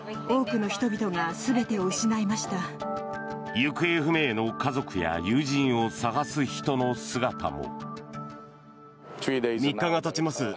行方不明の家族や友人を捜す人の姿も。